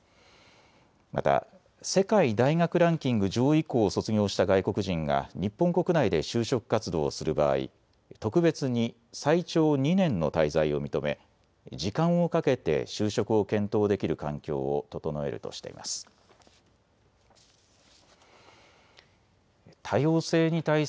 また世界大学ランキング上位校を卒業した外国人が日本国内で就職活動をする場合、特別に最長２年の滞在を認め時間をかけて就職を検討できる環境を整えるとしています。